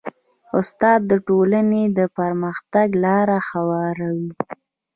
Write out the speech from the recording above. استاد د ټولنې د پرمختګ لاره هواروي.